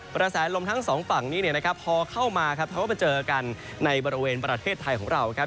กระแสลมทั้งสองฝั่งนี้เนี่ยนะครับพอเข้ามาครับเขาก็มาเจอกันในบริเวณประเทศไทยของเราครับ